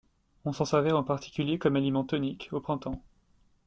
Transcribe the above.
On s'en servait en particulier comme aliment tonique, au printemps.